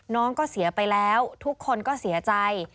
น้องก็เสียไปแล้วทุกคนก็เสียใจ